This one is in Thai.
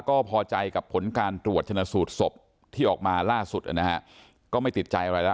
ก็พอใจกับผลการตรวจชนะสูตรศพที่ออกมาล่าสุดนะฮะก็ไม่ติดใจอะไรแล้ว